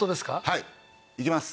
はい！いきます。